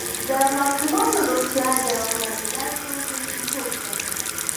د ماشومانو روغتیا د والدینو لومړیتوب دی.